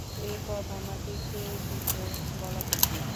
এ পদ আমাকে কে দিল বলা কঠিন।